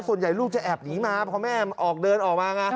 ส่วนใหญ่ลูกจะแอบหนีมาพอแม่มันออกเดินออกมา